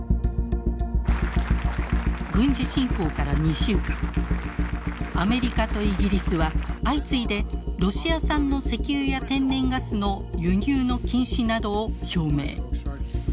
軍事侵攻から２週間アメリカとイギリスは相次いでロシア産の石油や天然ガスの輸入の禁止などを表明。